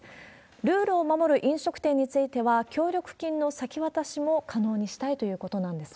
ルールを守る飲食店については、協力金の先渡しも可能にしたいということなんですが。